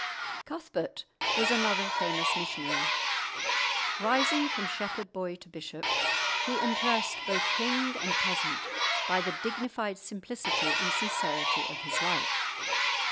Cuthbert was another famous missionary. Rising from shepherd boy to bishop, he impressed both king and peasant by the dignified simplicity and sincerity of his life.